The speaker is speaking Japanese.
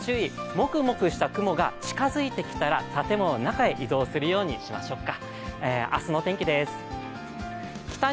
モクモクした雲が近づいてきたら建物の中へ移動するようにしましょうか。